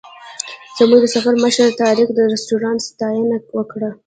زموږ د سفر مشر طارق د رسټورانټ ستاینه وکړه.